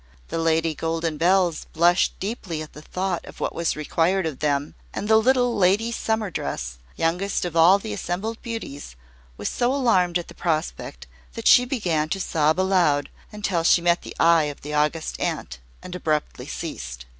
The Lady Golden Bells blushed deeply at the thought of what was required of them; and the little Lady Summer Dress, youngest of all the assembled beauties, was so alarmed at the prospect that she began to sob aloud, until she met the eye of the August Aunt and abruptly ceased.